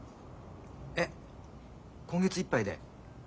えっ今月いっぱいで。